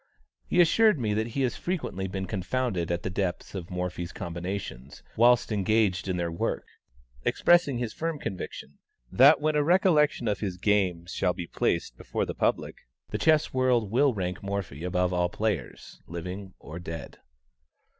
He assured me that he has frequently been confounded at the depth of Morphy's combinations whilst engaged in their work, expressing his firm conviction that when a collection of his games shall be placed before the public, the chess world will rank Morphy above all players, living or dead.